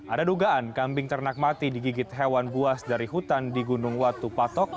ada dugaan kambing ternak mati digigit hewan buas dari hutan di gunung watu patok